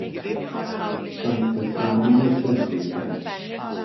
Daeth y ddrama ar y teledu i ben.